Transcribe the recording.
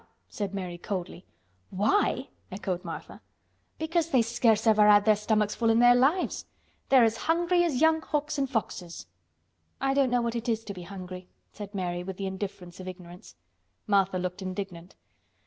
said Mary coldly. "Why!" echoed Martha. "Because they scarce ever had their stomachs full in their lives. They're as hungry as young hawks an' foxes." "I don't know what it is to be hungry," said Mary, with the indifference of ignorance. Martha looked indignant.